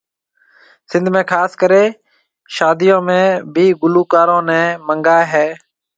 سنڌ ۾ خاص ڪري شاديون ۾ بي گلوڪارون ني منگاوي هي